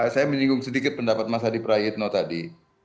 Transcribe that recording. saya menyinggung sedikit pendapat mas hadi prayetno tadi